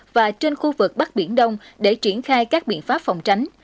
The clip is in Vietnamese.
và trên khu vực bắc biển đông để triển khai các biện pháp phòng tránh